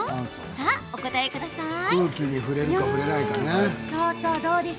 さあ、お答えください。